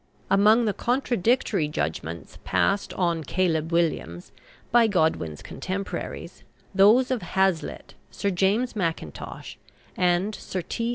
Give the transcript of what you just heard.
Among the contradictory judgments passed on "Caleb Williams" by Godwin's contemporaries those of Hazlitt, Sir James Mackintosh, and Sir T.